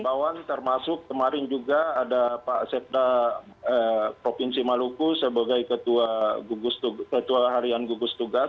imbauan termasuk kemarin juga ada pak sekda provinsi maluku sebagai ketua harian gugus tugas